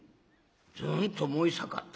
ズンと燃え盛った？」。